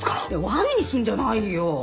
ワルにすんじゃないよ。